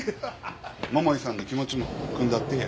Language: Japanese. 桃井さんの気持ちもくんだってえや。